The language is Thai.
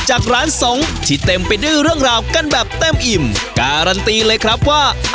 จากร้านสงฆ์ที่เต็มไปด้วยเรื่องราวกันแบบเต็มอิ่มการันตีเลยครับว่า